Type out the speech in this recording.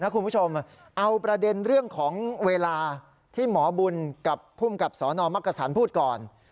คุณผู้ชมเอาประเด็นเรื่องของเวลาที่หมอบุญกับภูมิกับสนมักกษันพูดก่อน